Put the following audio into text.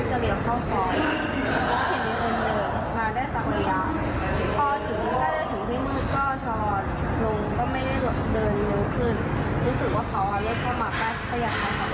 แล้วเขาก็เลยล็อกเลยแล้วพยายามที่จะลับเข้าข้างทางค่ะ